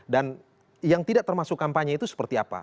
dan yang tidak termasuk kampanye itu seperti apa